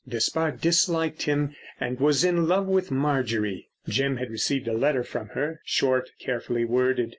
Despard disliked him, and was in love with Marjorie. Jim had received a letter from her—short, carefully worded.